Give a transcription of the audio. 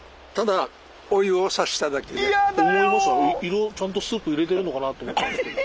色ちゃんとスープ入れてるのかなと思ってたんですけど。